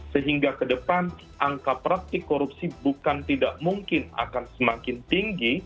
sehingga ke depan angka praktik korupsi bukan tidak mungkin akan semakin tinggi